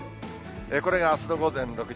これがあすの午前６時。